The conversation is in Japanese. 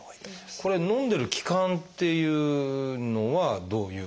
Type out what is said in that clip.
これのんでる期間っていうのはどういう？